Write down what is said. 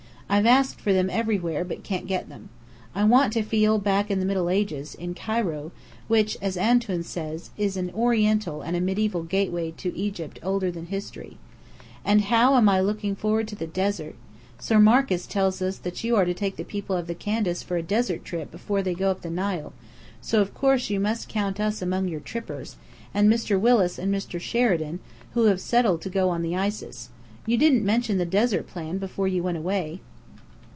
I've asked for them everywhere but can't get them. I want to feel back in the Middle Ages, in Cairo, which, as Antoun says, is an Oriental and Medieval Gateway to the Egypt older than history. And how I am looking forward to the Desert! Sir Marcus tells us that you are to take the people of the Candace for a desert trip before they go up the Nile; so of course you must count us among your "trippers," and Mr. Willis and Mr. Sheridan, who have settled to go on the Isis. You didn't mention the desert plan before you went away!